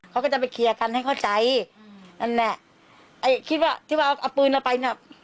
เขาก็จะไปเคลียร์กันให้เข้าใจอืมนั่นแหละไอ้คิดว่าที่ว่าเอาปืนเอาไปน่ะ